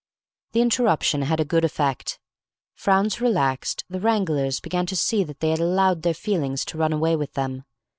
The interruption had a good effect. Frowns relaxed. The wranglers began to see that they had allowed their feelings to run away with them.